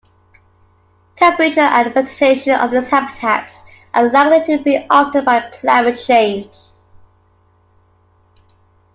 Temperature and vegetation of these habitats are likely to be altered by Climate Change.